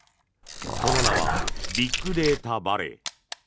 その名はビッグデータバレー。